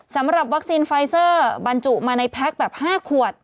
สำหรับวัคซีนไฟเซอร์บรรจุมาในแพ็คแบบ๕ขวด